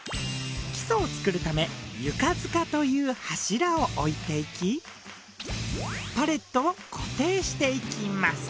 基礎を作るため床束という柱を置いていきパレットを固定していきます。